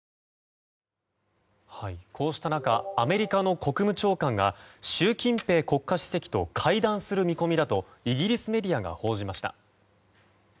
こうした中アメリカの国務長官が習近平国家主席と会談する見込みだとイギリスメディアが報じました。